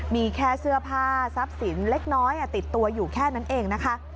มีแค่เสื้อผ้าทรัพย์สินเล็กน้อยติดตัวอยู่แค่นั้นเองนะคะ